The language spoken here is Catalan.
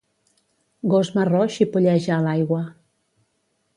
Gos marró xipolleja a l'aigua